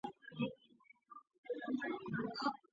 航空公园所在的并木地区聚集许多公共机关。